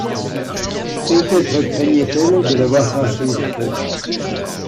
Peut-être craignait-elle de l'avoir fâché trop.